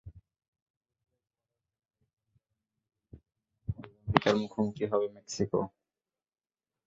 জিতলেই quarter ফাইনাল—এই সমীকরণ নিয়ে দিনের অন্য ম্যাচে জ্যামাইকার মুখোমুখি হবে মেক্সিকো।